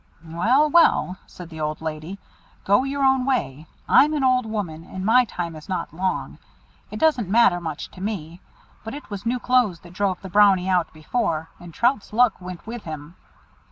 "Well, well," said the old lady, "go your own way. I'm an old woman, and my time is not long. It doesn't matter much to me. But it was new clothes that drove the Brownie out before, and Trout's luck went with him."